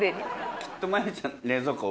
きっと茉優ちゃんの冷蔵庫は。